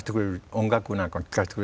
音楽なんかも聴かせてくれる。